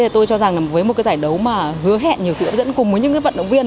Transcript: tôi cho rằng với một giải đấu hứa hẹn nhiều sự hấp dẫn cùng với những vận động viên